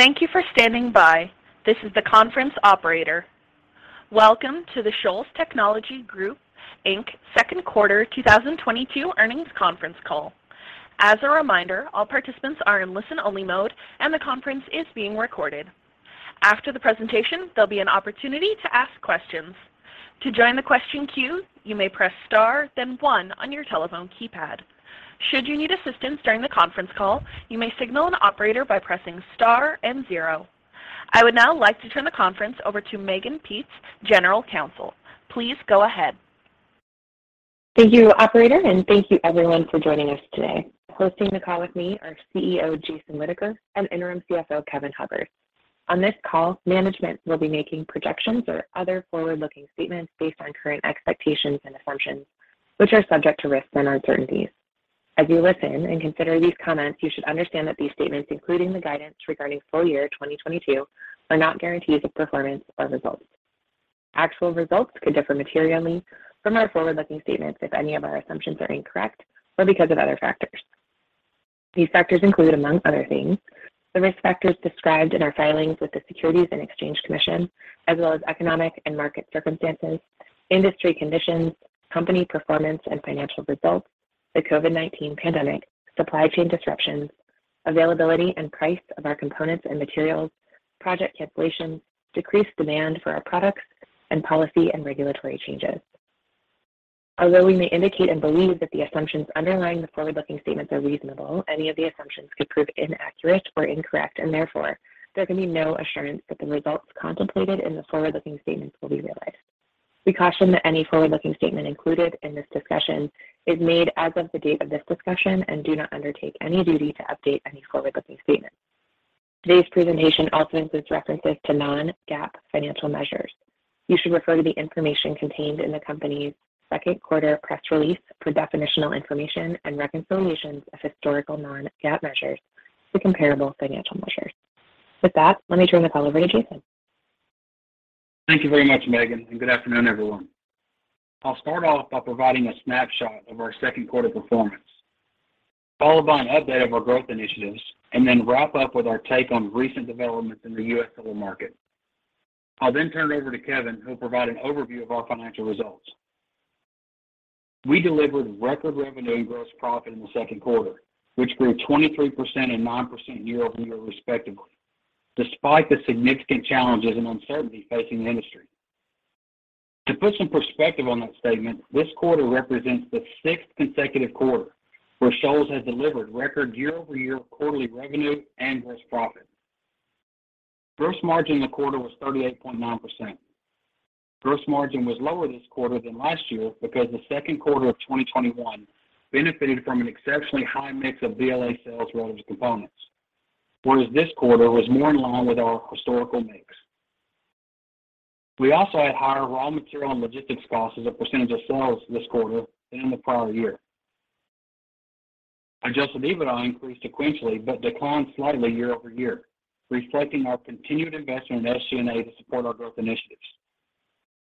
Thank you for standing by. This is the conference operator. Welcome to the Shoals Technologies Group, Inc. Second Quarter 2022 Earnings Conference Call. As a reminder, all participants are in listen-only mode, and the conference is being recorded. After the presentation, there'll be an opportunity to ask questions. To join the question queue, you may press star then one on your telephone keypad. Should you need assistance during the conference call, you may signal an operator by pressing star and zero. I would now like to turn the conference over to Mehgan Peetz, General Counsel. Please go ahead. Thank you, operator, and thank you everyone for joining us today. Hosting the call with me are CEO Jason Whitaker and Interim CFO Kevin Hubbard. On this call, management will be making projections or other forward-looking statements based on current expectations and assumptions, which are subject to risks and uncertainties. As you listen and consider these comments, you should understand that these statements, including the guidance regarding full year 2022, are not guarantees of performance or results. Actual results could differ materially from our forward-looking statements if any of our assumptions are incorrect or because of other factors. These factors include, among other things, the risk factors described in our filings with the Securities and Exchange Commission, as well as economic and market circumstances, industry conditions, company performance and financial results, the COVID-19 pandemic, supply chain disruptions, availability and price of our components and materials, project cancellations, decreased demand for our products, and policy and regulatory changes. Although we may indicate and believe that the assumptions underlying the forward-looking statements are reasonable, any of the assumptions could prove inaccurate or incorrect, and therefore, there can be no assurance that the results contemplated in the forward-looking statements will be realized. We caution that any forward-looking statement included in this discussion is made as of the date of this discussion and do not undertake any duty to update any forward-looking statement. Today's presentation also includes references to non-GAAP financial measures. You should refer to the information contained in the company's second quarter press release for definitional information and reconciliations of historical non-GAAP measures to comparable financial measures. With that, let me turn the call over to Jason. Thank you very much, Mehgan, and good afternoon, everyone. I'll start off by providing a snapshot of our second quarter performance, followed by an update of our growth initiatives, and then wrap up with our take on recent developments in the U.S. solar market. I'll then turn it over to Kevin, who will provide an overview of our financial results. We delivered record revenue gross profit in the second quarter, which grew 23% and 9% year-over-year, respectively, despite the significant challenges and uncertainty facing the industry. To put some perspective on that statement, this quarter represents the sixth consecutive quarter where Shoals has delivered record year-over-year quarterly revenue and gross profit. Gross margin in the quarter was 38.9%. Gross margin was lower this quarter than last year because the second quarter of 2021 benefited from an exceptionally high mix of BLA sales rather than components. Whereas this quarter was more in line with our historical mix. We also had higher raw material and logistics costs as a percentage of sales this quarter than in the prior year. Adjusted EBITDA increased sequentially but declined slightly year-over-year, reflecting our continued investment in SG&A to support our growth initiatives.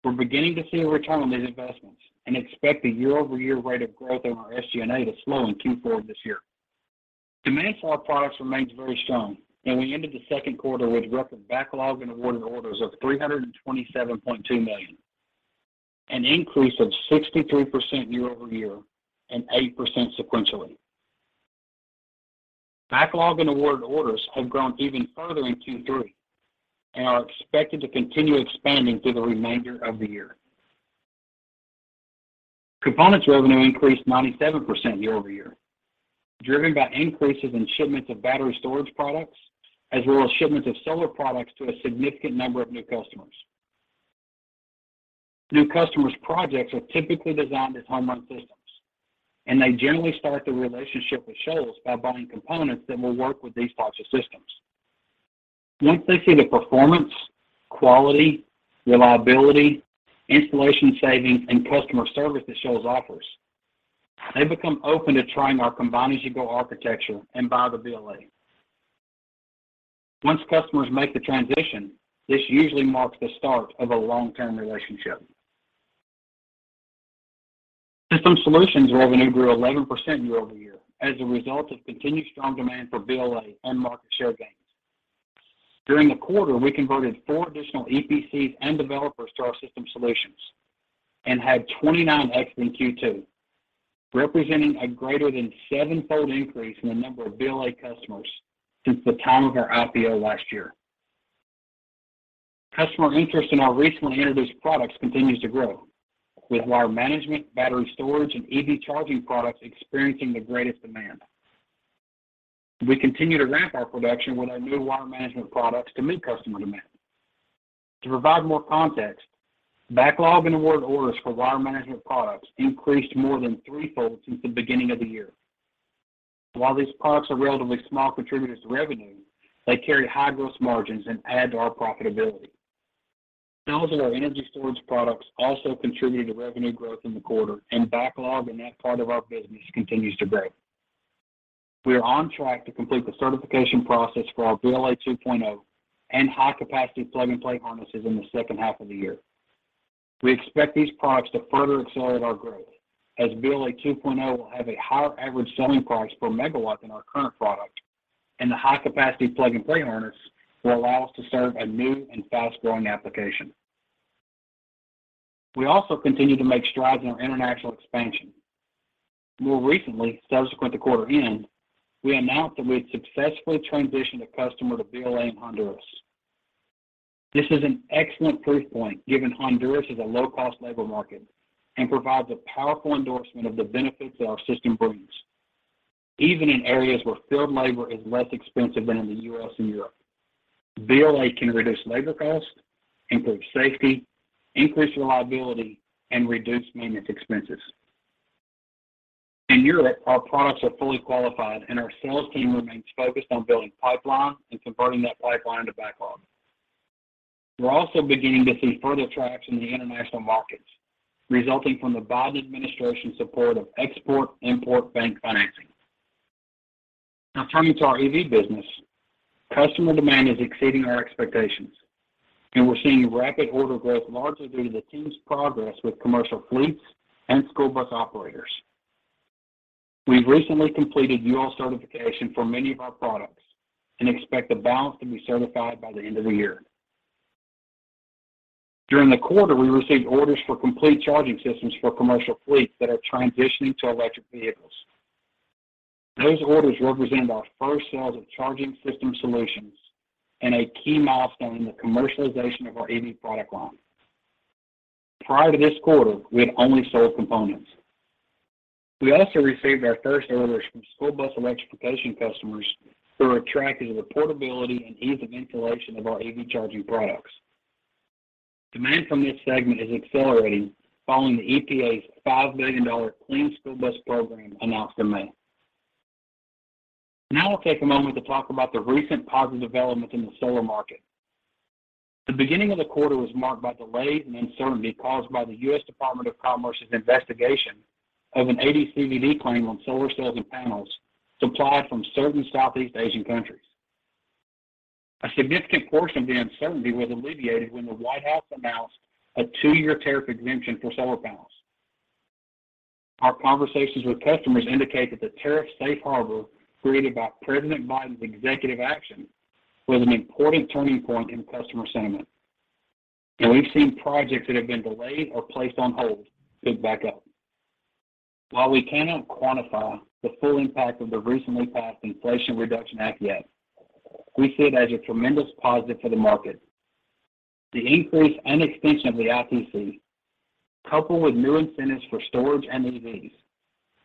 We're beginning to see a return on these investments and expect a year-over-year rate of growth in our SG&A to slow in Q4 this year. Demand for our products remains very strong, and we ended the second quarter with record backlog and awarded orders of $327.2 million, an increase of 63% year-over-year and 8% sequentially. Backlog and awarded orders have grown even further in Q3 and are expected to continue expanding through the remainder of the year. Components revenue increased 97% year-over-year, driven by increases in shipments of battery storage products, as well as shipments of solar products to a significant number of new customers. New customers' projects are typically designed as home run systems, and they generally start the relationship with Shoals by buying components that will work with these types of systems. Once they see the performance, quality, reliability, installation savings, and customer service that Shoals offers, they become open to trying our Combine-as-you-go architecture and buy the BLA. Once customers make the transition, this usually marks the start of a long-term relationship. System Solutions revenue grew 11% year-over-year as a result of continued strong demand for BLA and market share gains. During the quarter, we converted 4 additional EPCs and developers to our System Solutions and had 29 adds in Q2, representing a greater than seven fold increase in the number of BLA customers since the time of our IPO last year. Customer interest in our recently introduced products continues to grow, with wire management, battery storage, and EV charging products experiencing the greatest demand. We continue to ramp our production with our new wire management products to meet customer demand. To provide more context, backlog and award orders for wire management products increased more than three fold since the beginning of the year. While these products are relatively small contributors to revenue, they carry high gross margins and add to our profitability. Sales of our energy storage products also contributed to revenue growth in the quarter, and backlog in that part of our business continues to grow. We are on track to complete the certification process for our BLA 2.0 and high-capacity plug-and-play harnesses in the second half of the year. We expect these products to further accelerate our growth as BLA 2.0 will have a higher average selling price per MW than our current product, and the high-capacity plug-and-play harnesses will allow us to serve a new and fast-growing application. We also continue to make strides in our international expansion. More recently, subsequent to quarter end, we announced that we had successfully transitioned a customer to BLA in Honduras. This is an excellent proof point, given Honduras is a low-cost labor market, and provides a powerful endorsement of the benefits that our system brings. Even in areas where field labor is less expensive than in the U.S. and Europe, BLA can reduce labor costs, improve safety, increase reliability, and reduce maintenance expenses. In Europe, our products are fully qualified and our sales team remains focused on building pipeline and converting that pipeline to backlog. We're also beginning to see further traction in the international markets, resulting from the Biden administration's support of Export-Import Bank financing. Now, turning to our EV business. Customer demand is exceeding our expectations, and we're seeing rapid order growth, largely due to the team's progress with commercial fleets and school bus operators. We've recently completed UL certification for many of our products and expect the balance to be certified by the end of the year. During the quarter, we received orders for complete charging systems for commercial fleets that are transitioning to electric vehicles. Those orders represent our first sales of charging system solutions and a key milestone in the commercialization of our EV product line. Prior to this quarter, we had only sold components. We also received our first orders from school bus electrification customers who are attracted to the portability and ease of installation of our EV charging products. Demand from this segment is accelerating following the EPA's $5 billion Clean School Bus Program announced in May. Now I'll take a moment to talk about the recent positive developments in the solar market. The beginning of the quarter was marked by delays and uncertainty caused by the U.S. Department of Commerce's investigation of an AD/CVD claim on solar cells and panels supplied from certain Southeast Asian countries. A significant portion of the uncertainty was alleviated when the White House announced a two year tariff exemption for solar panels. Our conversations with customers indicate that the tariff safe harbor created by President Biden's executive action was an important turning point in customer sentiment, and we've seen projects that have been delayed or placed on hold pick back up. While we cannot quantify the full impact of the recently passed Inflation Reduction Act yet, we see it as a tremendous positive for the market. The increase and extension of the ITC, coupled with new incentives for storage and EVs,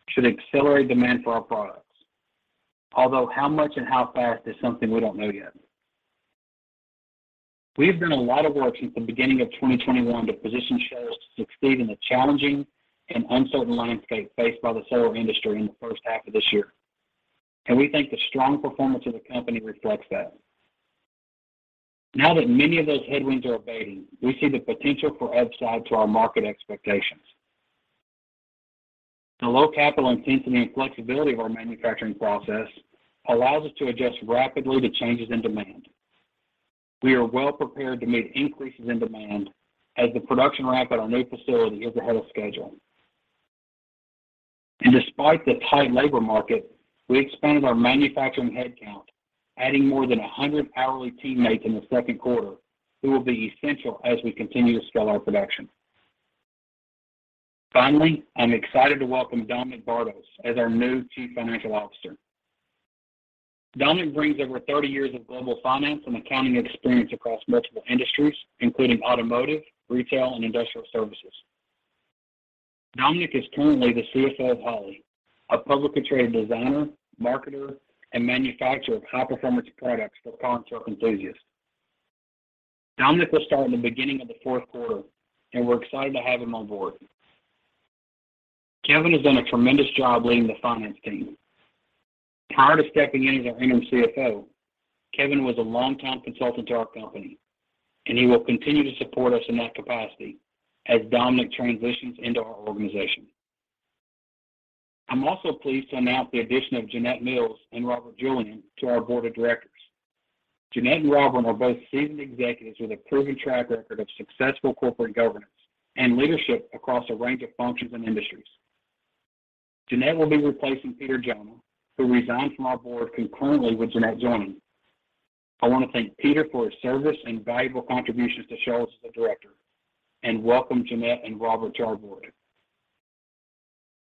should accelerate demand for our products. Although how much and how fast is something we don't know yet. We have done a lot of work since the beginning of 2021 to position Shoals to succeed in the challenging and uncertain landscape faced by the solar industry in the first half of this year, and we think the strong performance of the company reflects that. Now that many of those headwinds are abating, we see the potential for upside to our market expectations. The low capital intensity and flexibility of our manufacturing process allows us to adjust rapidly to changes in demand. We are well-prepared to meet increases in demand as the production ramp at our new facility is ahead of schedule. Despite the tight labor market, we expanded our manufacturing headcount, adding more than 100 hourly teammates in the second quarter who will be essential as we continue to scale our production. Finally, I'm excited to welcome Dominic Bardos as our new Chief Financial Officer. Dominic brings over 30 years of global finance and accounting experience across multiple industries, including automotive, retail, and industrial services. Dominic is currently the CFO of Holley, a publicly traded designer, marketer, and manufacturer of high-performance products for car and truck enthusiasts. Dominic will start in the beginning of the fourth quarter, and we're excited to have him on board. Kevin has done a tremendous job leading the finance team. Prior to stepping in as our Interim CFO, Kevin was a longtime consultant to our company, and he will continue to support us in that capacity as Dominic transitions into our organization. I'm also pleased to announce the addition of Jeannette Mills and Robert Julian to our board of directors. Jeannette and Robert are both seasoned executives with a proven track record of successful corporate governance and leadership across a range of functions and industries. Jeannette will be replacing Peter J. Benevides, who resigned from our board concurrently with Jeannette joining. I want to thank Peter for his service and valuable contributions to Shoals as a director, and welcome Jeannette and Robert to our board.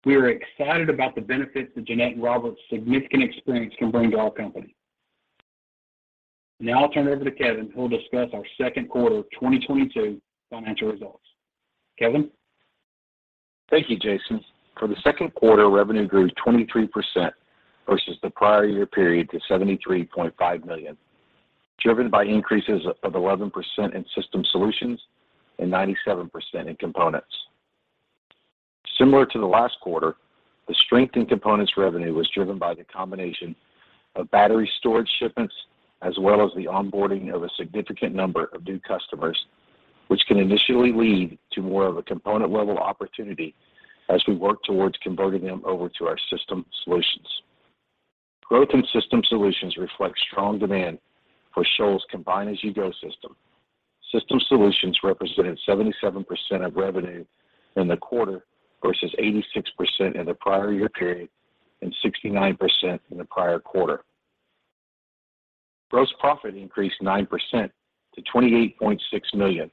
We are excited about the benefits that Jeannette and Robert's significant experience can bring to our company. Now I'll turn it over to Kevin, who will discuss our second quarter of 2022 financial results. Kevin? Thank you, Jason. For the second quarter, revenue grew 23% versus the prior year period to $73.5 million, driven by increases of 11% in System Solutions and 97% in components. Similar to the last quarter, the strength in components revenue was driven by the combination of battery storage shipments, as well as the onboarding of a significant number of new customers, which can initially lead to more of a component-level opportunity as we work towards converting them over to our System Solutions. Growth in System Solutions reflect strong demand for Shoals combine-as-you-go system. System Solutions represented 77% of revenue in the quarter versus 86% in the prior year period and 69% in the prior quarter. Gross profit increased 9% to $28.6 million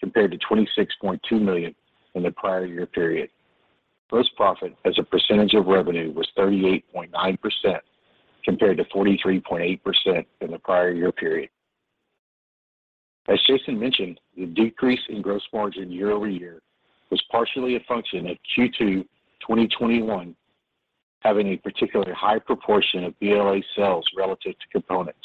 compared to $26.2 million in the prior year period. Gross profit as a percentage of revenue was 38.9% compared to 43.8% in the prior year period. As Jason mentioned, the decrease in gross margin year-over-year was partially a function of Q2 2021 having a particularly high proportion of BLA sales relative to components.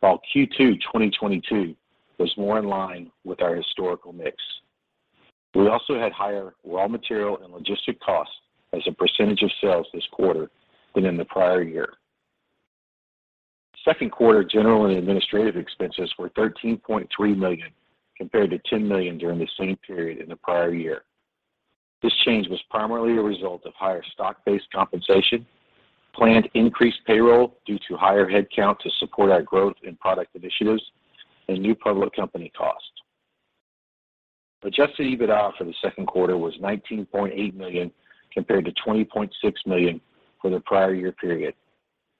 While Q2 2022 was more in line with our historical mix. We also had higher raw material and logistics costs as a percentage of sales this quarter than in the prior year. Second quarter general and administrative expenses were $13.3 million compared to $10 million during the same period in the prior year. This change was primarily a result of higher stock-based compensation, planned increased payroll due to higher head count to support our growth in product initiatives and new public company cost. Adjusted EBITDA for the second quarter was $19.8 million compared to $20.6 million for the prior year period.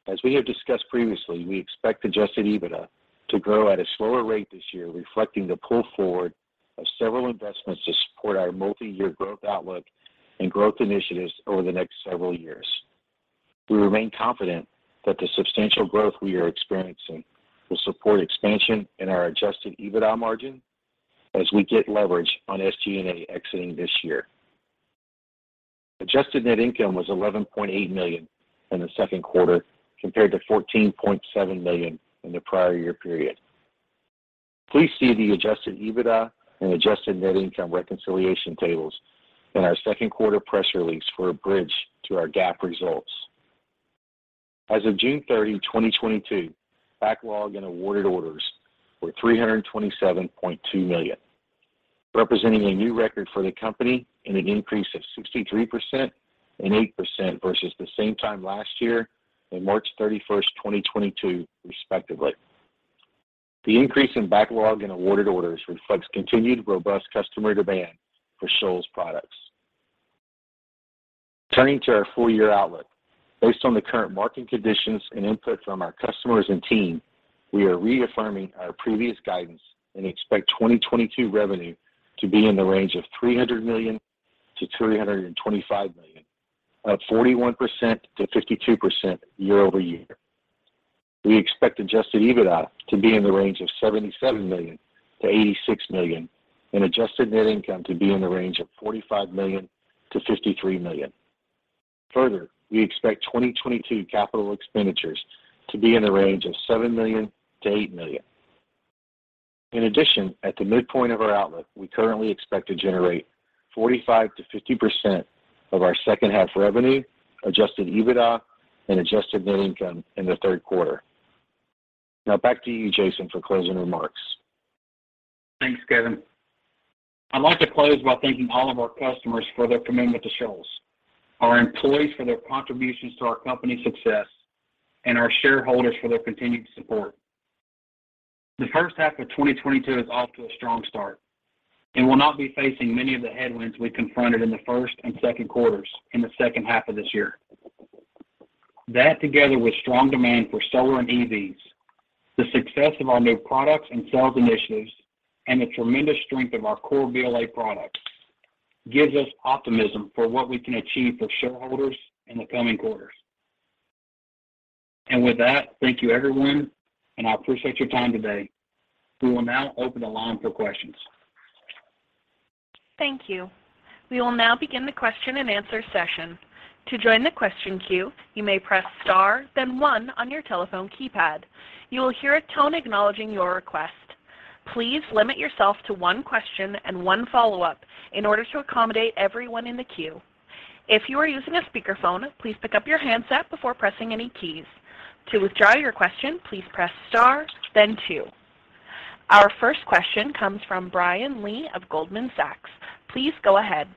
As we have discussed previously, we expect adjusted EBITDA to grow at a slower rate this year, reflecting the pull forward of several investments to support our multi-year growth outlook and growth initiatives over the next several years. We remain confident that the substantial growth we are experiencing will support expansion in our adjusted EBITDA margin as we get leverage on SG&A exiting this year. Adjusted net income was $11.8 million in the second quarter compared to $14.7 million in the prior year period. Please see the adjusted EBITDA and adjusted net income reconciliation tables in our second quarter press release for a bridge to our GAAP results. As of June 30, 2022, backlog and awarded orders were $327.2 million, representing a new record for the company and an increase of 63% and 8% versus the same time last year on March 31, 2022, respectively. The increase in backlog and awarded orders reflects continued robust customer demand for Shoals products. Turning to our full year outlook. Based on the current market conditions and input from our customers and team, we are reaffirming our previous guidance and expect 2022 revenue to be in the range of $300 million-$325 million, up 41%-52% year-over-year. We expect adjusted EBITDA to be in the range of $77 million-$86 million and adjusted net income to be in the range of $45 million-$53 million. Further, we expect 2022 capital expenditures to be in the range of $7 million-$8 million. In addition, at the midpoint of our outlook, we currently expect to generate 45%-50% of our second half revenue, Adjusted EBITDA and adjusted net income in the third quarter. Now back to you, Jason, for closing remarks. Thanks, Kevin. I'd like to close by thanking all of our customers for their commitment to Shoals, our employees for their contributions to our company success, and our shareholders for their continued support. The first half of 2022 is off to a strong start and will not be facing many of the headwinds we confronted in the first and second quarters in the second half of this year. That, together with strong demand for solar and EVs, the success of our new products and sales initiatives, and the tremendous strength of our core BLA products, gives us optimism for what we can achieve for shareholders in the coming quarters. With that, thank you, everyone, and I appreciate your time today. We will now open the line for questions. Thank you. We will now begin the question and answer session. To join the question queue, you may press star then one on your telephone keypad. You will hear a tone acknowledging your request. Please limit yourself to one question and one follow-up in order to accommodate everyone in the queue. If you are using a speakerphone, please pick up your handset before pressing any keys. To withdraw your question, please press star then two. Our first question comes from Brian Lee of Goldman Sachs. Please go ahead.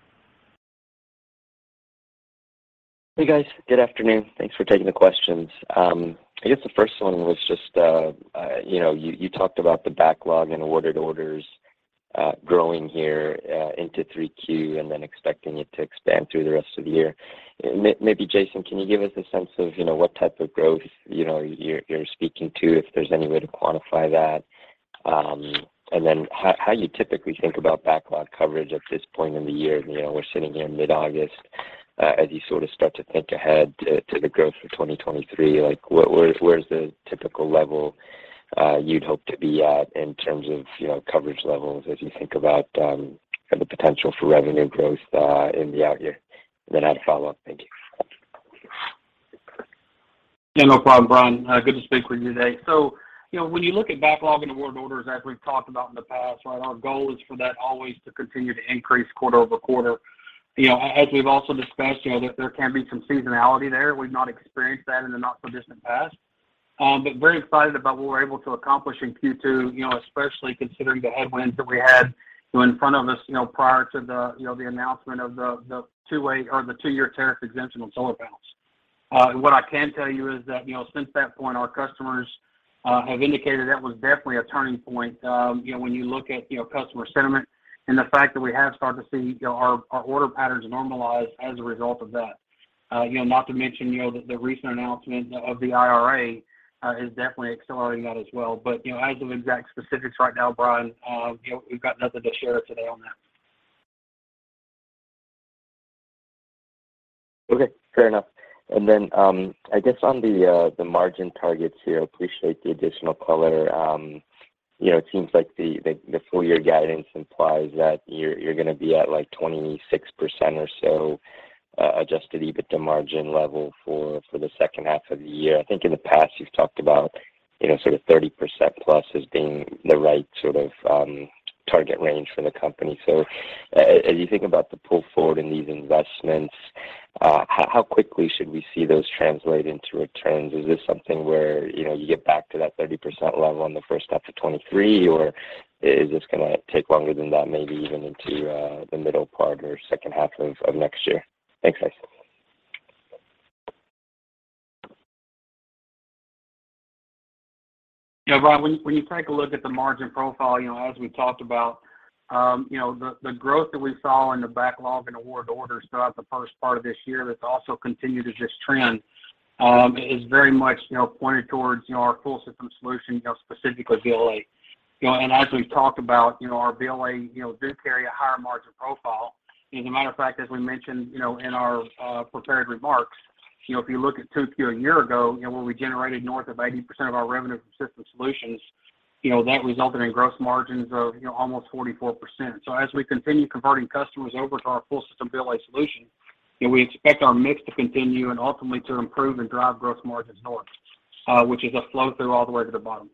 Hey, guys. Good afternoon. Thanks for taking the questions. I guess the first one was just, you know, you talked about the backlog and awarded orders growing here into 3Q and then expecting it to expand through the rest of the year. Maybe Jason, can you give us a sense of, you know, what type of growth you're speaking to, if there's any way to quantify that? And then how you typically think about backlog coverage at this point in the year? You know, we're sitting here in mid-August. As you sort of start to think ahead to the growth for 2023, like, where's the typical level you'd hope to be at in terms of, you know, coverage levels as you think about the potential for revenue growth in the out year? I'd follow up. Thank you. Yeah, no problem, Brian. Good to speak with you today. You know, when you look at backlog and award orders as we've talked about in the past, right? Our goal is for that always to continue to increase quarter-over-quarter. You know, as we've also discussed, you know, that there can be some seasonality there. We've not experienced that in the not-so-distant past. Very excited about what we're able to accomplish in Q2, you know, especially considering the headwinds that we had, you know, in front of us, you know, prior to the, you know, the announcement of the two year tariff exemption on solar panels. What I can tell you is that, you know, since that point, our customers have indicated that was definitely a turning point. You know, when you look at, you know, customer sentiment and the fact that we have started to see, you know, our order patterns normalize as a result of that. You know, not to mention, you know, the recent announcement of the IRA is definitely accelerating that as well. You know, as of exact specifics right now, Brian, you know, we've got nothing to share today on that. Okay, fair enough. I guess on the margin targets here, appreciate the additional color. You know, it seems like the full year guidance implies that you're gonna be at, like, 26% or so, Adjusted EBITDA margin level for the second half of the year. I think in the past, you've talked about, you know, sort of 30%+ as being the right sort of target range for the company. As you think about the pull forward in these investments, how quickly should we see those translate into returns? Is this something where, you know, you get back to that 30% level in the first half of 2023, or is this gonna take longer than that, maybe even into the middle part or second half of next year? Thanks, Jason. Yeah, Brian, when you take a look at the margin profile, you know, as we talked about, you know, the growth that we saw in the backlog and award orders throughout the first part of this year that's also continued to just trend, is very much, you know, pointed towards, you know, our full system solution, you know, specifically BLA. You know, and as we've talked about, you know, our BLA, you know, do carry a higher margin profile. As a matter of fact, as we mentioned, you know, in our prepared remarks, you know, if you look at 2Q a year ago, you know, where we generated north of 80% of our revenue from System Solutions, you know, that resulted in gross margins of, you know, almost 44%. As we continue converting customers over to our full system BLA solution, you know, we expect our mix to continue and ultimately to improve and drive gross margins north, which is a flow-through all the way to the bottom.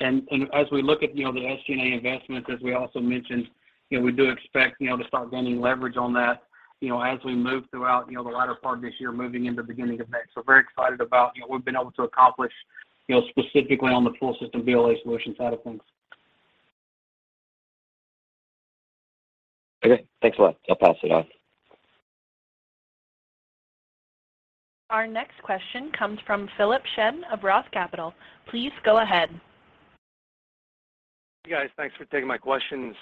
As we look at, you know, the SG&A investments, as we also mentioned, you know, we do expect, you know, to start gaining leverage on that, you know, as we move throughout, you know, the latter part of this year, moving into beginning of next. We're very excited about, you know, what we've been able to accomplish, you know, specifically on the full system BLA solutions side of things. Okay. Thanks a lot. I'll pass it on. Our next question comes from Philip Shen of ROTH Capital. Please go ahead. Hey, guys. Thanks for taking my questions.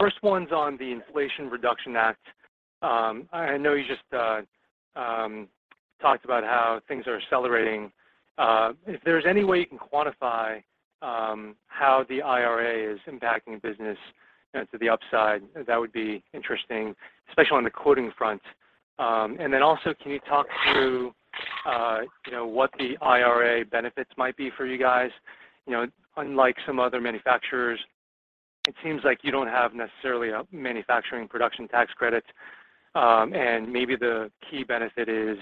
First one's on the Inflation Reduction Act. I know you just talked about how things are accelerating. If there's any way you can quantify how the IRA is impacting business, you know, to the upside, that would be interesting, especially on the quoting front. Then also, can you talk through, you know, what the IRA benefits might be for you guys? You know, unlike some other manufacturers, it seems like you don't have necessarily a manufacturing production tax credit, and maybe the key benefit is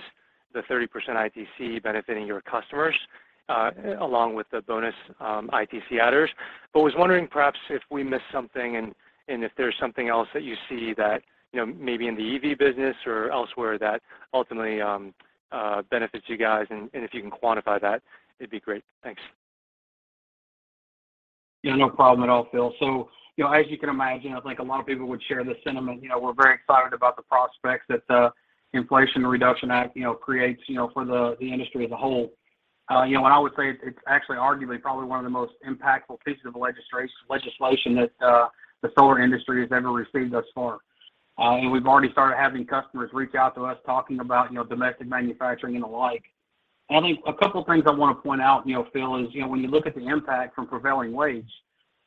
the 30% ITC benefiting your customers, along with the bonus ITC adders. was wondering perhaps if we missed something and if there's something else that you see that, you know, maybe in the EV business or elsewhere that ultimately benefits you guys and if you can quantify that, it'd be great. Thanks. Yeah, no problem at all, Phil. You know, as you can imagine, I think a lot of people would share the sentiment. You know, we're very excited about the prospects that the Inflation Reduction Act, you know, creates, you know, for the industry as a whole. You know, and I would say it's actually arguably probably one of the most impactful pieces of legislation that the solar industry has ever received thus far. And we've already started having customers reach out to us talking about, you know, domestic manufacturing and the like. I think a couple things I wanna point out, you know, Phil, is, you know, when you look at the impact from prevailing wage,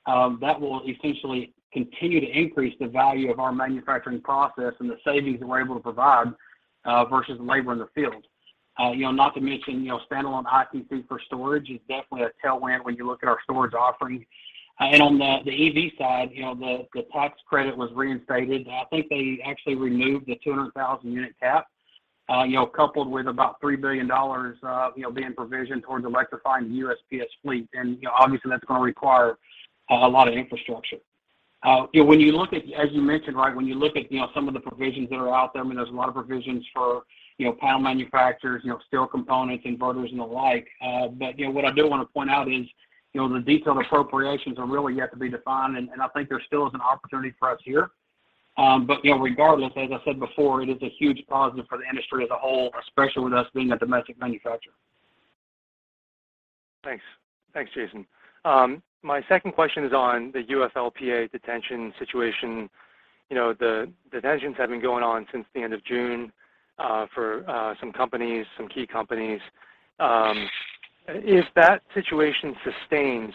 that will essentially continue to increase the value of our manufacturing process and the savings that we're able to provide, versus labor in the field. You know, not to mention, you know, standalone ITC for storage is definitely a tailwind when you look at our storage offerings. On the EV side, you know, the tax credit was reinstated. I think they actually removed the 200,000 unit cap, you know, coupled with about $3 billion, you know, being provisioned towards electrifying the USPS fleet. You know, obviously that's gonna require a lot of infrastructure. You know, as you mentioned, right, when you look at, you know, some of the provisions that are out there, I mean, there's a lot of provisions for, you know, panel manufacturers, you know, steel components, inverters and the like. You know, what I do wanna point out is, you know, the detailed appropriations are really yet to be defined. I think there still is an opportunity for us here. You know, regardless, as I said before, it is a huge positive for the industry as a whole, especially with us being a domestic manufacturer. Thanks. Thanks, Jason. My second question is on the UFLPA detention situation. You know, the detentions have been going on since the end of June for some companies, some key companies. If that situation sustains,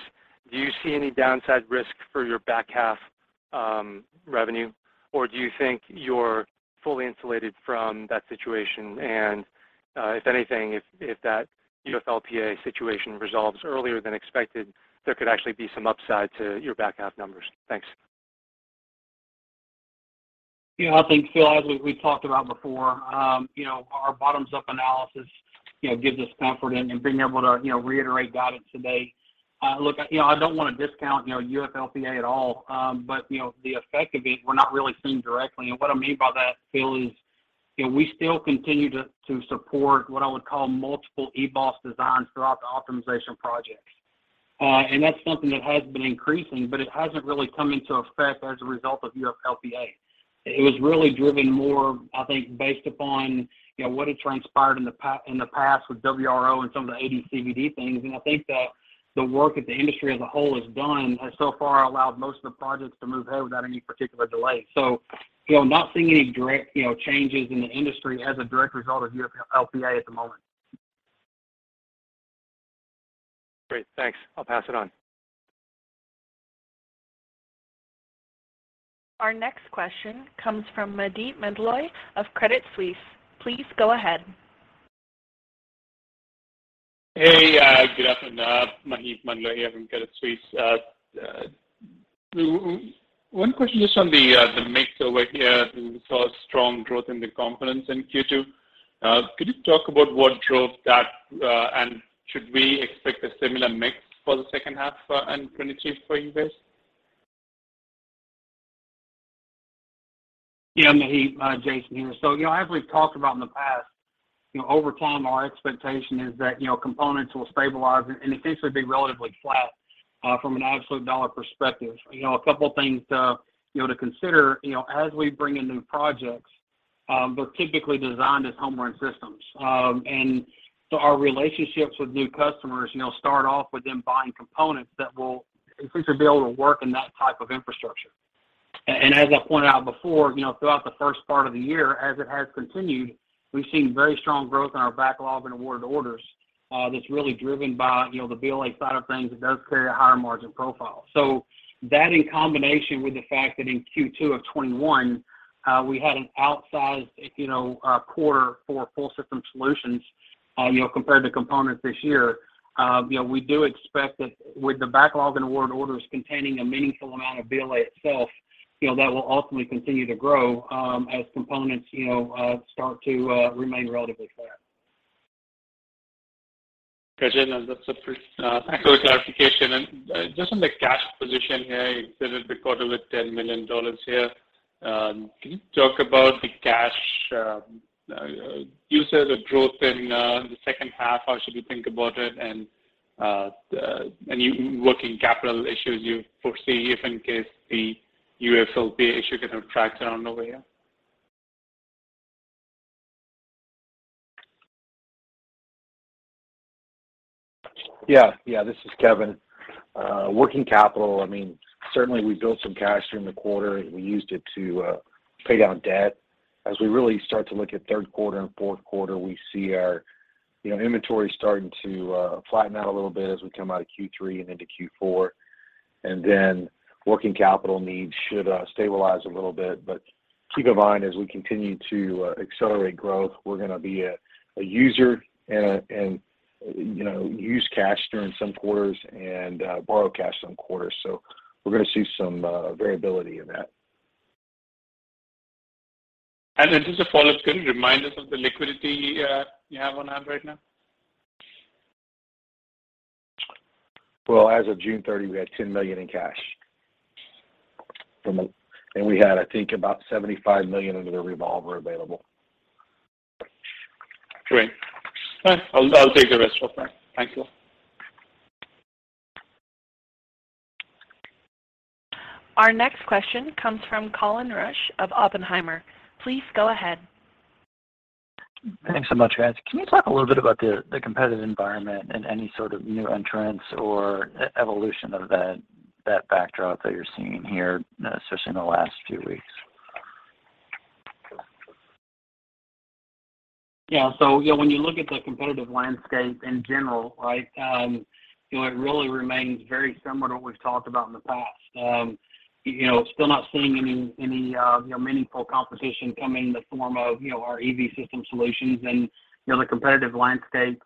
do you see any downside risk for your back half revenue, or do you think you're fully insulated from that situation? If anything, if that UFLPA situation resolves earlier than expected, there could actually be some upside to your back half numbers. Thanks. Yeah, I think, Phil, as we talked about before, you know, our bottoms up analysis, you know, gives us comfort in being able to, you know, reiterate guidance today. Look, you know, I don't wanna discount, you know, UFLPA at all, but, you know, the effect of it, we're not really seeing directly. What I mean by that, Phil, is, you know, we still continue to support what I would call multiple EBOS designs throughout the optimization projects. That's something that has been increasing, but it hasn't really come into effect as a result of UFLPA. It was really driven more, I think, based upon, you know, what had transpired in the past with WRO and some of the AD/CVD things. I think that the work that the industry as a whole has done has so far allowed most of the projects to move ahead without any particular delay. You know, not seeing any direct, you know, changes in the industry as a direct result of UFLPA at the moment. Great. Thanks. I'll pass it on. Our next question comes from Maheep Mandloi of Credit Suisse. Please go ahead. Hey, good afternoon. Maheep Mandloi here from Credit Suisse. One question just on the mix over here. We saw strong growth in the components in Q2. Could you talk about what drove that, and should we expect a similar mix for the second half and 2022 for you guys? Yeah, Maheep, Jason here. You know, as we've talked about in the past, you know, over time our expectation is that, you know, components will stabilize and essentially be relatively flat from an absolute dollar perspective. You know, a couple things to, you know, to consider, you know, as we bring in new projects, they're typically designed as home run systems. Our relationships with new customers, you know, start off with them buying components that will essentially be able to work in that type of infrastructure. As I pointed out before, you know, throughout the first part of the year, as it has continued, we've seen very strong growth in our backlog and award orders, that's really driven by, you know, the BLA side of things that does carry a higher margin profile. That in combination with the fact that in Q2 of 2021, we had an outsized, you know, quarter for full system solutions, you know, compared to components this year, you know, we do expect that with the backlog and award orders containing a meaningful amount of BLA itself, you know, that will ultimately continue to grow, as components, you know, start to remain relatively flat. Gotcha. That's a pretty good clarification. Just on the cash position here, you ended the quarter with $10 million here. Can you talk about the cash usage or growth in the second half? How should we think about it? Any working capital issues you foresee if in case the UFLPA issue contract down the line? Yeah. Yeah, this is Kevin. Working capital, I mean, certainly we built some cash during the quarter, and we used it to pay down debt. As we really start to look at third quarter and fourth quarter, we see our, you know, inventory starting to flatten out a little bit as we come out of Q3 and into Q4. Working capital needs should stabilize a little bit, but keep in mind as we continue to accelerate growth, we're gonna be a user and use cash during some quarters and borrow cash some quarters. We're gonna see some variability in that. Just a follow-up. Can you remind us of the liquidity you have on hand right now? Well, as of June 30, we had $10 million in cash. We had, I think, about $75 million under the revolver available. Great. I'll take the rest offline. Thank you. Our next question comes from Colin Rusch of Oppenheimer. Please go ahead. Thanks so much, guys. Can you talk a little bit about the competitive environment and any sort of new entrants or evolution of that backdrop that you're seeing here, especially in the last few weeks? Yeah. You know, when you look at the competitive landscape in general, right, you know, it really remains very similar to what we've talked about in the past. You know, still not seeing any meaningful competition come in the form of, you know, our EV system solutions and, you know, the competitive landscape,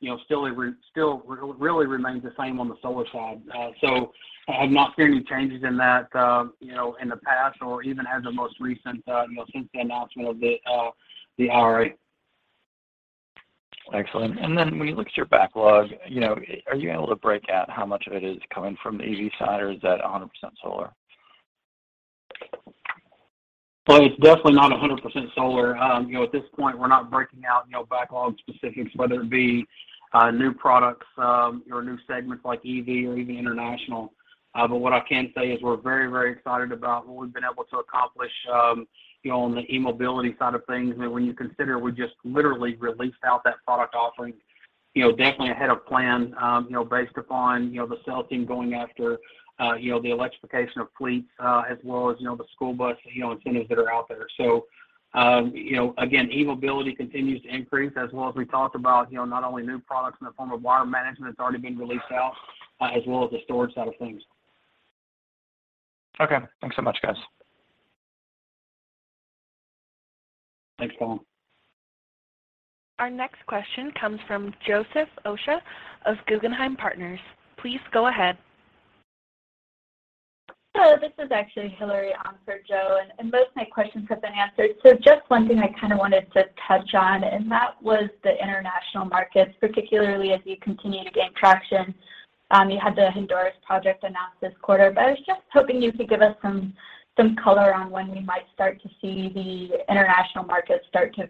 you know, still really remains the same on the solar side. Have not seen any changes in that, you know, in the past or even as of most recent, you know, since the announcement of the IRA. Excellent. Then when you look at your backlog, you know, are you able to break out how much of it is coming from the EV side? Or is that 100% solar? Well, it's definitely not 100% solar. You know, at this point we're not breaking out, you know, backlog specifics, whether it be new products or new segments like EV or EV international. But what I can say is we're very, very excited about what we've been able to accomplish, you know, on the e-mobility side of things. When you consider we just literally released out that product offering, you know, definitely ahead of plan, you know, based upon, you know, the sales team going after, you know, the electrification of fleets, as well as, you know, the school bus, you know, incentives that are out there. you know, again, e-mobility continues to increase as well as we talked about, you know, not only new products in the form of wire management that's already been released out, as well as the storage side of things. Okay. Thanks so much, guys. Thanks, Colin. Our next question comes from Joseph Osha of Guggenheim Partners. Please go ahead. Hello. So Is actually Hillary on for Joe, and most of my questions have been answered. Just one thing I kind of wanted to touch on, and that was the international markets, particularly as you continue to gain traction. You had the Honduras project announced this quarter, but I was just hoping you could give us some color on when we might start to see the international markets start to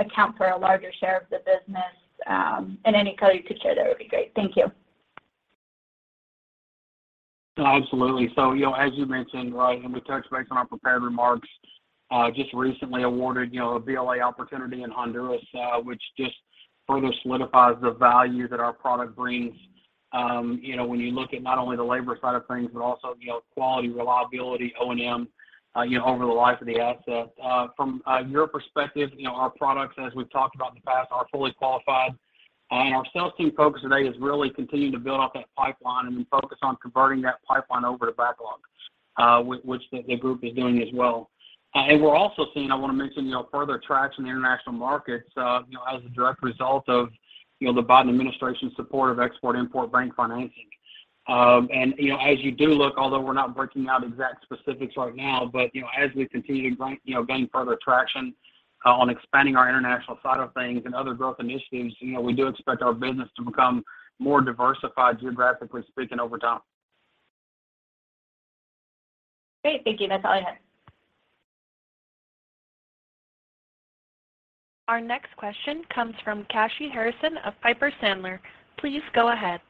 account for a larger share of the business. Any color you could share there would be great. Thank you. Absolutely. You know, as you mentioned, right, and we touched base on our prepared remarks, just recently awarded a BLA opportunity in Honduras, which just further solidifies the value that our product brings, you know, when you look at not only the labor side of things, but also, you know, quality, reliability, O&M, you know, over the life of the asset. From your perspective, you know, our products, as we've talked about in the past, are fully qualified. Our sales team focus today is really continuing to build off that pipeline and then focus on converting that pipeline over to backlog, which the group is doing as well. We're also seeing, I wanna mention, you know, further traction in the international markets, as a direct result of, you know, the Biden administration's support of Export-Import Bank financing. As you do look, although we're not breaking out exact specifics right now, but, as we continue to gain, you know, further traction on expanding our international side of things and other growth initiatives, you know, we do expect our business to become more diversified geographically speaking over time. Great. Thank you. That's all I had. Our next question comes from Kashy Harrison of Piper Sandler. Please go ahead.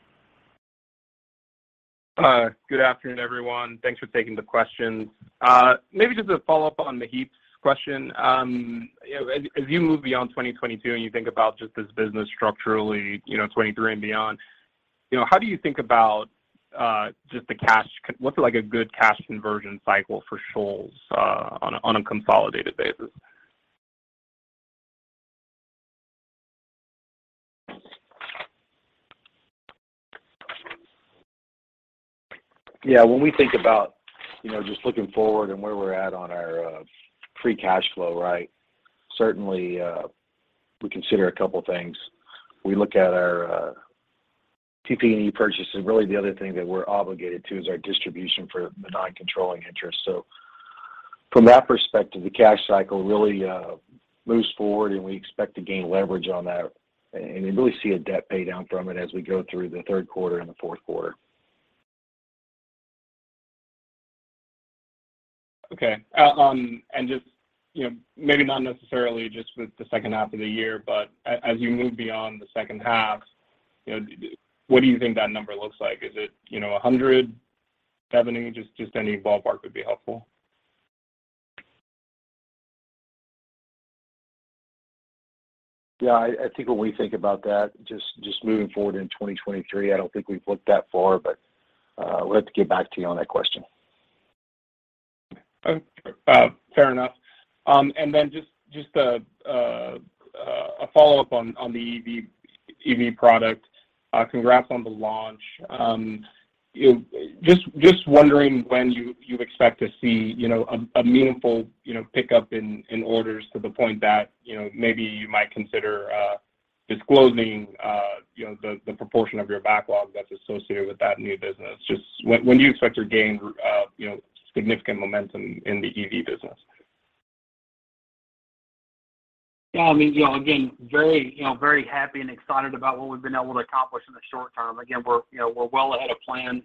Good afternoon, everyone. Thanks for taking the questions. Maybe just a follow-up on Maheep’s question. You know, as you move beyond 2022 and you think about just this business structurally, you know, 2023 and beyond, you know, how do you think about just the cash conversion cycle for Shoals on a consolidated basis? Yeah. When we think about, you know, just looking forward and where we're at on our free cash flow, right? Certainly, we consider a couple things. We look at our PP&E purchases. Really, the other thing that we're obligated to is our distribution for the non-controlling interest. From that perspective, the cash cycle really moves forward, and we expect to gain leverage on that and really see a debt pay down from it as we go through the third quarter and the fourth quarter. Just, you know, maybe not necessarily just with the second half of the year, but as you move beyond the second half, you know, what do you think that number looks like? Is it, you know, 100? 70? Just any ballpark would be helpful. Yeah. I think when we think about that, just moving forward in 2023, I don't think we've looked that far, but we'll have to get back to you on that question. Okay. Fair enough. Just a follow-up on the EV product. Congrats on the launch. You know, just wondering when you expect to see, you know, a meaningful, you know, pickup in orders to the point that, you know, maybe you might consider disclosing, you know, the proportion of your backlog that's associated with that new business. Just when do you expect to gain, you know, significant momentum in the EV business? Yeah. I mean, you know, again, very, you know, very happy and excited about what we've been able to accomplish in the short term. Again, we're, you know, we're well ahead of plan,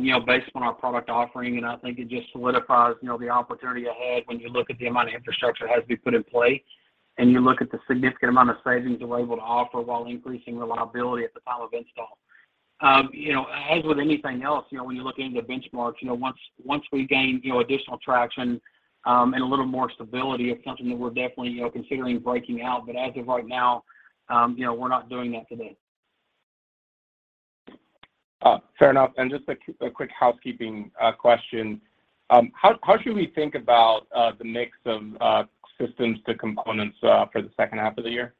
you know, based on our product offering, and I think it just solidifies, you know, the opportunity ahead when you look at the amount of infrastructure that has to be put in place, and you look at the significant amount of savings we're able to offer while increasing reliability at the time of install. You know, as with anything else, you know, when you look into benchmarks, you know, once we gain, you know, additional traction, and a little more stability, it's something that we're definitely, you know, considering breaking out. As of right now, you know, we're not doing that today. Fair enough. Just a quick housekeeping question. How should we think about the mix of systems to components for the second half of the year?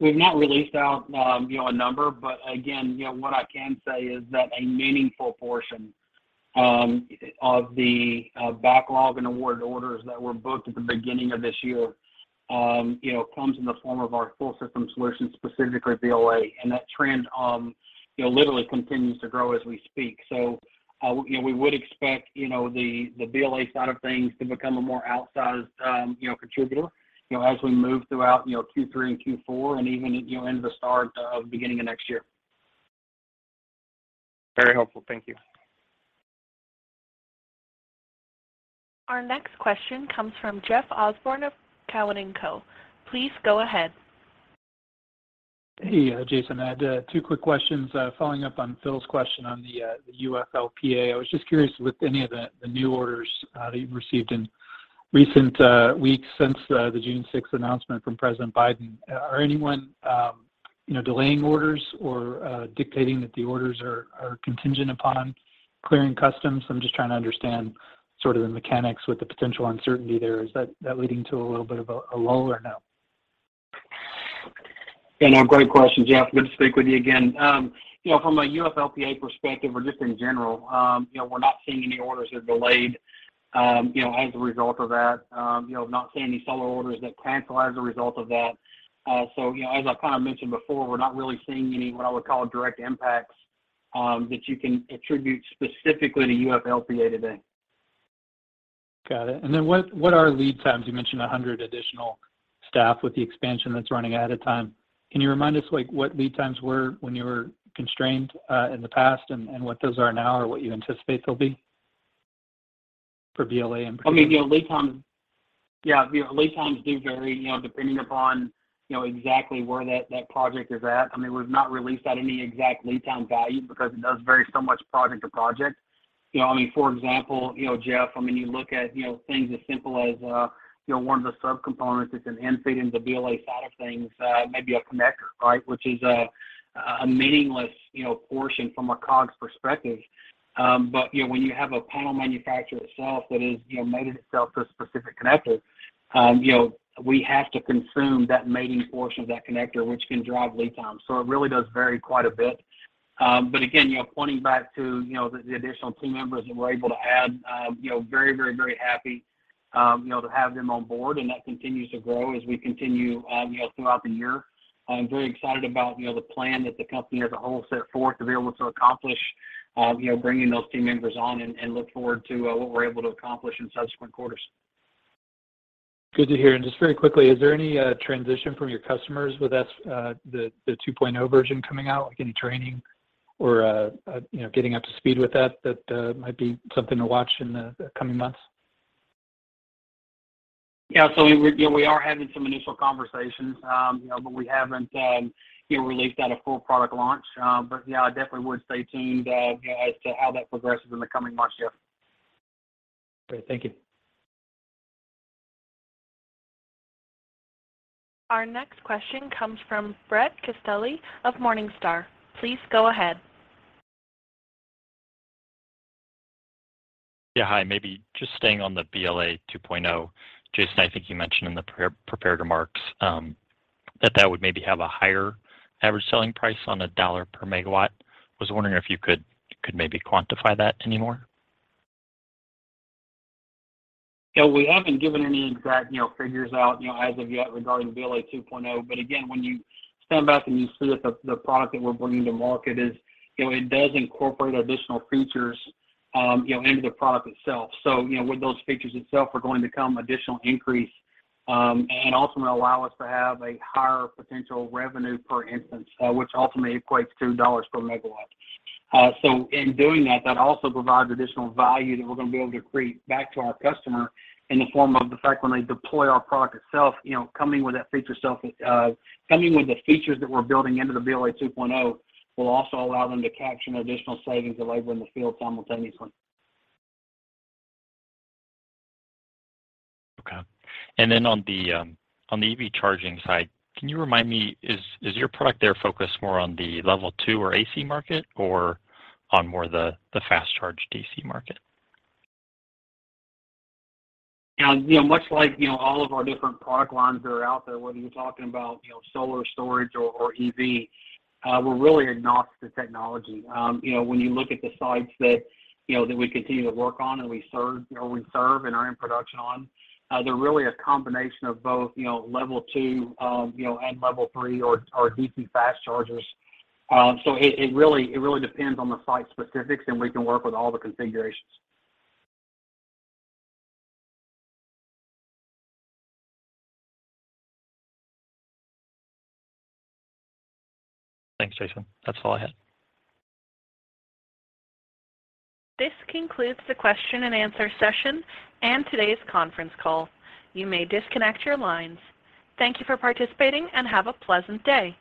We've not released out a number, but again, you know, what I can say is that a meaningful portion of the backlog and award orders that were booked at the beginning of this year, you know, comes in the form of our full system solution, specifically BLA. That trend, you know, literally continues to grow as we speak. You know, we would expect, you know, the BLA side of things to become a more outsized, you know, contributor, you know, as we move throughout, you know, Q3 and Q4 and even, you know, into the start of beginning of next year. Very helpful. Thank you. Our next question comes from Jeff Osborne of Cowen and Co. Please go ahead. Hey, Jason. I had two quick questions following up on Phil's question on the UFLPA. I was just curious with any of the new orders that you've received in recent weeks since the June 6th announcement from President Biden. Are anyone delaying orders or dictating that the orders are contingent upon clearing customs? I'm just trying to understand sort of the mechanics with the potential uncertainty there. Is that leading to a little bit of a lull or no? Yeah, no, great question, Jeff. Good to speak with you again. You know, from a UFLPA perspective or just in general, you know, we're not seeing any orders that are delayed, you know, as a result of that. You know, not seeing any solar orders that cancel as a result of that. You know, as I kinda mentioned before, we're not really seeing any, what I would call, direct impacts, that you can attribute specifically to UFLPA today. Got it. What are lead times? You mentioned 100 additional staff with the expansion that's running ahead of time. Can you remind us, like, what lead times were when you were constrained in the past and what those are now or what you anticipate they'll be? For BLA and I mean, you know, lead time, yeah, you know, lead times do vary, you know, depending upon, you know, exactly where that project is at. I mean, we've not released at any exact lead time value because it does vary so much project to project. You know, I mean, for example, you know, Jeff, I mean, you look at, you know, things as simple as, you know, one of the sub-components that's an end feed into the BLA side of things, maybe a connector, right? Which is a meaningless, you know, portion from a COGS perspective. But, you know, when you have a panel manufacturer itself that has, you know, mated itself to a specific connector, you know, we have to consume that mating portion of that connector, which can drive lead time. It really does vary quite a bit. Again, you know, pointing back to the additional team members that we're able to add, you know, very, very, very happy to have them on board, and that continues to grow as we continue throughout the year. I'm very excited about the plan that the company as a whole set forth to be able to accomplish bringing those team members on and look forward to what we're able to accomplish in subsequent quarters. Good to hear. Just very quickly, is there any transition from your customers with that, the 2.0 version coming out, like any training or you know, getting up to speed with that might be something to watch in the coming months? Yeah. You know, we are having some initial conversations, you know, but we haven't, you know, released a full product launch. But yeah, I definitely would stay tuned, as to how that progresses in the coming months, Jeff. Great. Thank you. Our next question comes from Brett Castelli of Morningstar. Please go ahead. Yeah, hi. Maybe just staying on the BLA 2.0. Jason, I think you mentioned in the pre-prepared remarks that that would maybe have a higher average selling price on a $1 per MW. Was wondering if you could maybe quantify that anymore? You know, we haven't given any exact, you know, figures out, you know, as of yet regarding BLA 2.0. But again, when you step back and you see that the product that we're bringing to market is, you know, it does incorporate additional features, you know, into the product itself. So, you know, with those features itself are going to come additional increase, and ultimately allow us to have a higher potential revenue per instance, which ultimately equates $2 per MW. In doing that also provides additional value that we're gonna be able to create back to our customer in the form of the fact when they deploy our product itself, you know, coming with the features that we're building into the BLA 2.0, will also allow them to capture additional savings of labor in the field simultaneously. Okay. On the EV charging side, can you remind me, is your product there focused more on the level two or AC market or on more the fast charge DC market? You know, much like, you know, all of our different product lines that are out there, whether you're talking about, you know, solar storage or EV, we're really agnostic to technology. You know, when you look at the sites that we continue to work on and we serve, you know, and are in production on, they're really a combination of both, you know, level two and level three or DC fast chargers. It really depends on the site specifics, and we can work with all the configurations. Thanks, Jason. That's all I had. This concludes the question and answer session and today's conference call. You may disconnect your lines. Thank you for participating, and have a pleasant day.